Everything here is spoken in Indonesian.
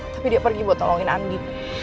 tapi dia pergi buat tolongin andi